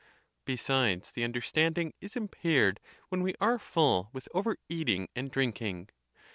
Besides, the understanding is impaired when we are full with overeating and drinking.